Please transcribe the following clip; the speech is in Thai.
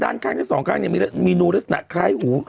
ด้านข้างและสองข้างมีหนูละสนะคล้ายหู